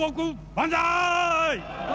万歳！